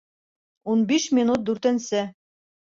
Ун биш минут дүртенсе